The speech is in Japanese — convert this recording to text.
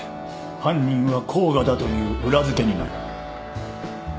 犯人は甲賀だという裏付けになる。